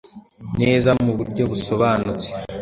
neza mu buryo busobanutse